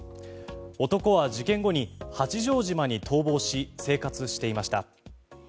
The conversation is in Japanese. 男は事件後に八丈島に逃亡し生活していました。